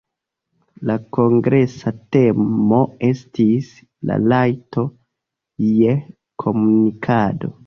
La kongresa temo estis "La rajto je komunikado".